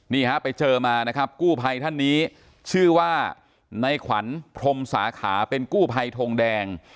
นี่ฮะไปเจอมานะครับกู้ภัยท่านนี้ชื่อว่าในขวัญพรมสาขาเป็นกู้ภัยทงแดง